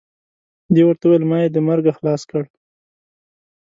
دې ورته وویل ما یې د مرګه خلاص کړ.